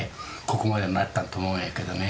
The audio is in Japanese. ここまでなったんと思うんやけどね。